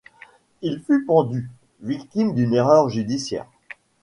Il fut pendu, victime d'une erreur judiciaire.